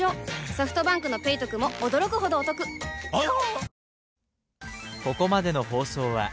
ソフトバンクの「ペイトク」も驚くほどおトクわぁ！